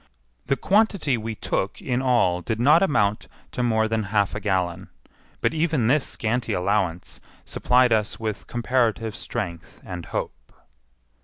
The quantity we took in all did not amount to more than half a gallon; but even this scanty allowance supplied us with comparative strength and hope.